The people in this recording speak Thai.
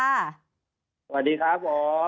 สวัสดีครับผม